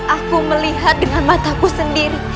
aku melihat dengan mataku sendiri